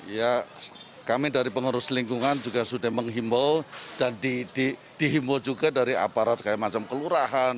ya kami dari pengurus lingkungan juga sudah menghimbau dan dihimbau juga dari aparat kayak macam kelurahan